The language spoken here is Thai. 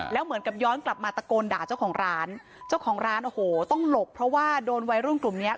แล้วเหมือนกับย้อนกลับมาตะโกนด่าเจ้าของร้านเจ้าของร้านโอ้โหต้องหลบเพราะว่าโดนวัยรุ่นกลุ่มเนี้ย